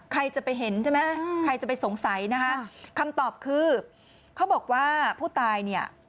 ใครจะไปเห็นใช่ไหมใครจะไปสงสัยนะคะคำตอบคือเขาบอกว่าผู้ตายเนี่ย